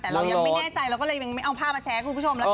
แต่เรายังไม่แน่ใจแล้วเขาไม่ชั่ง